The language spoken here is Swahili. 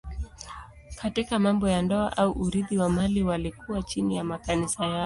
Katika mambo ya ndoa au urithi wa mali walikuwa chini ya makanisa yao.